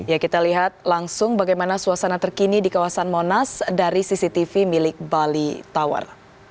ya kita lihat langsung bagaimana suasana terkini di kawasan monas dari cctv milik bali tower